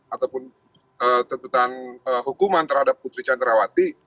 ataupun tuntutan hukuman terhadap putri candrawati